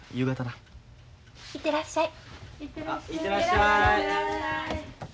行ってらっしゃい。